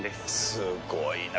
すごいなぁ。